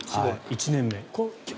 １年目。